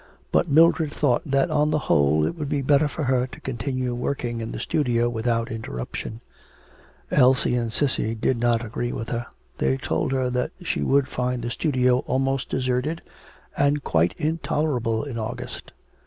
But Mildred thought that on the whole it would be better for her to continue working in the studio without interruption. Elsie and Cissy did not agree with her. They told her that she would find the studio almost deserted and quite intolerable in August.